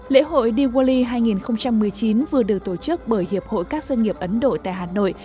lễ hội diwali hai nghìn một mươi chín vừa được tổ chức bởi hiệp hội các doanh nghiệp ấn độ tại hà nội